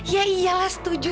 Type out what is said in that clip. ya iyalah setuju